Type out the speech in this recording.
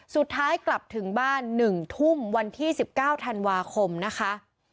สุดท้ายกลับถึงบ้านหนึ่งทุ่มวันที่สิบเก้าธันวาคมนะคะ